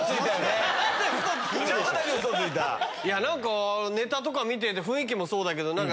何かネタとか見てて雰囲気もそうだけど。